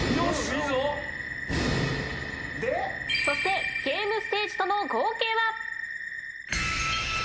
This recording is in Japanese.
そしてゲームステージとの合計は？